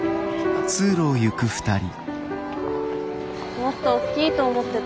もっとおっきいと思ってた。